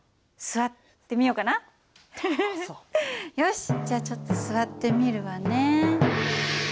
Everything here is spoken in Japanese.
よしじゃあちょっと座ってみるわね。